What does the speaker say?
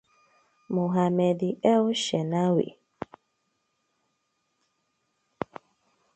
Mohamed El Shenaway